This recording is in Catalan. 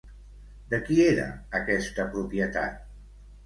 De qui era aquesta propietat?